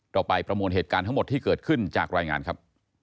เราไปประมวลเหตุการณ์ทั้งหมดที่เกิดขึ้นจากรายงานครับ